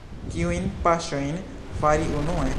Kiujn paŝojn fari unue?